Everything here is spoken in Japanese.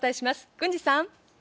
郡司さん。